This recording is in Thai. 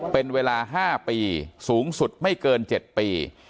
เป็นเวลา๕ปีสูงสุดไม่เกิน๗ปี